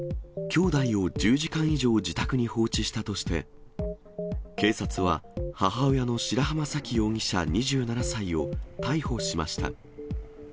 きょうだいを１０時間以上自宅に放置したとして、警察は母親の白濱沙紀容疑者２７歳を逮捕しました。